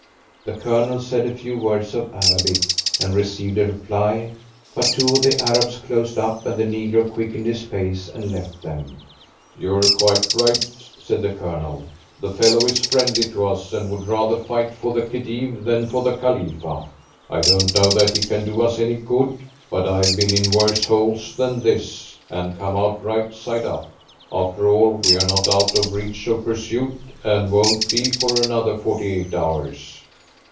The Colonel said a few words of Arabic and received a reply, but two of the Arabs closed up, and the negro quickened his pace and left them. "You are quite right," said the Colonel. "The fellow is friendly to us, and would rather fight for the Khedive than for the Khalifa. I don't know that he can do us any good, but I've been in worse holes than this, and come out right side up. After all, we are not out of reach of pursuit, and won't be for another forty eight hours."